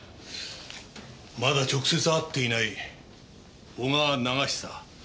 まだ直接会っていない小川長久。